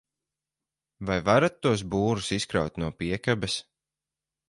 Vai varat tos būrus izkraut no piekabes?